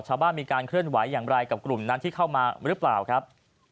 ชาวบ้านมีการเคลื่อนไหวอย่างไรกับกลุ่มนั้นที่เข้ามาหรือเปล่าครับ